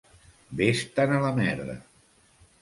Ves-te'n a la merda!